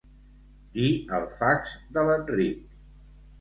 Dir el fax de l'Enric.